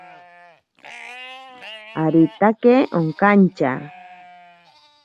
Aritake okantya.